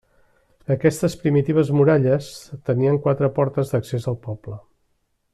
Aquestes primitives muralles tenien quatre portes d'accés al poble.